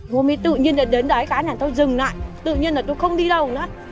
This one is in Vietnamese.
hôm ấy tự nhiên là đến đấy cá là tôi dừng lại tự nhiên là tôi không đi đâu nữa